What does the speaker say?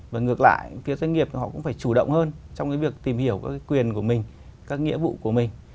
và ngược lại phía doanh nghiệp họ cũng phải chủ động hơn trong cái việc tìm hiểu các quyền của mình các nghĩa vụ của mình